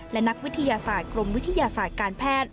และนักวิทยาศาสตร์กรมวิทยาศาสตร์การแพทย์